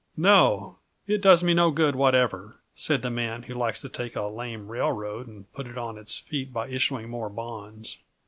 "No, it does me no good whatever," said the man who likes to take a lame railroad and put it on its feet by issuing more bonds.